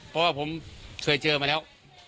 เพราะว่าผมเคยเจอมาแล้ว